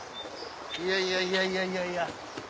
いやいやいやいやいや